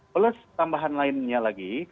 plus tambahan lainnya lagi